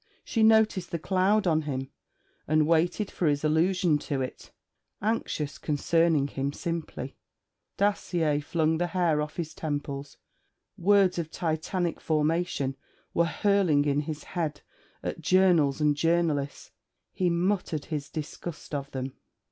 She noticed the cloud on him and waited for his allusion to it, anxious concerning him simply. Dacier flung the hair off his temples. Words of Titanic formation were hurling in his head at journals and journalists. He muttered his disgust of them.